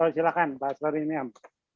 silakan pak asrori ni'am